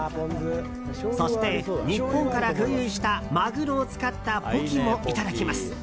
そして、日本から空輸したマグロを使ったポキもいただきます。